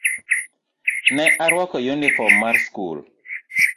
Ne arwako yunifom mar skul.